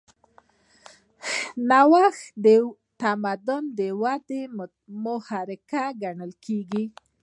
نوښت د تمدن د ودې محرک ګڼل کېږي.